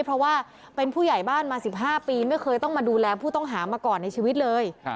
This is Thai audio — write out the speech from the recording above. เพราะว่าเป็นผู้ใหญ่บ้านมา๑๕ปีไม่เคยต้องมาดูแลผู้ต้องหามาก่อนในชีวิตเลย